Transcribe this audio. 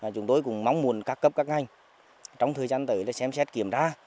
chúng tôi cũng mong muốn các cấp các ngành trong thời gian tới xem xét kiểm tra